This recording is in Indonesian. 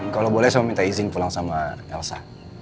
kalau boleh saya minta izin pulang sama elsa